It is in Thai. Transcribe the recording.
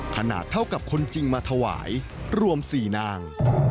ขนาดเท่ากับคนจริงมาถวายรวม๔นาง